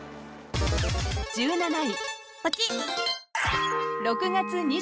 ［１７位］